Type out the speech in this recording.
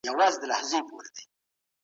د همدغه حالت یوه نمونه نن سبا په ایران کي هم